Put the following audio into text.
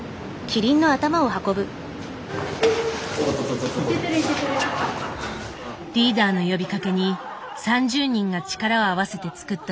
リーダーの呼びかけに３０人が力を合わせて作った作品。